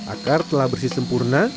akar telah bersih sempurna